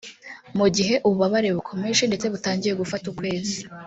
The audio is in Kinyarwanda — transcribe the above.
Mu gihe ububabare bukomeje ndetse butangiye gufata ukwezi